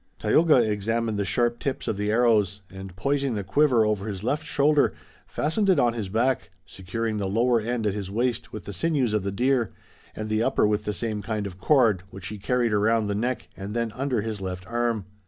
Tayoga examined the sharp tips of the arrows, and, poising the quiver over his left shoulder, fastened it on his back, securing the lower end at his waist with the sinews of the deer, and the upper with the same kind of cord, which he carried around the neck and then under his left arm.